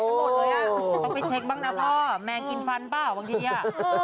ต้องไปเช็คบ้างนะพ่อแมงกินฟันเปล่าบางทีเนี่ย